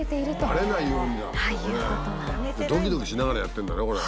バレないようにドキドキしながらやってんだねこれ。